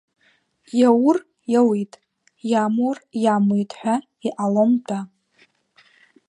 Иаур иауит, иамур иамуит ҳәа иҟалом-тәа.